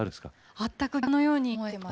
全く逆のように思えています。